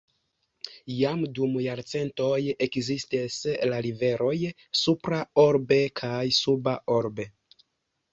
Jam dum jarcentoj ekzistis la riveroj "Supra Orbe" kaj "Suba Orbe".